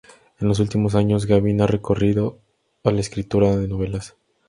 En los últimos años, Gavin ha recurrido a la escritura de novelas.